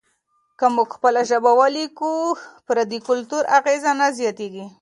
که موږ خپله ژبه ولیکو، پردي کلتور اغېز نه زیاتیږي.